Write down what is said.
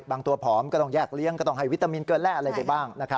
บางตัวผอมก็ต้องแยกเลี้ยงก็ต้องให้วิตามินเกินแร่อะไรไปบ้าง